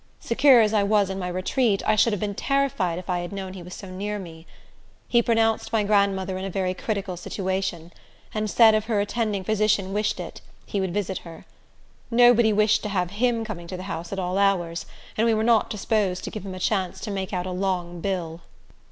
Secure as I was in my retreat, I should have been terrified if I had known he was so near me. He pronounced my grandmother in a very critical situation, and said if her attending physician wished it, he would visit her. Nobody wished to have him coming to the house at all hours, and we were not disposed to give him a chance to make out a long bill.